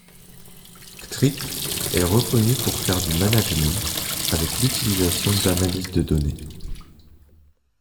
Ctrip est reconnu pour faire du management avec l'utilisation d'analyse de donnée.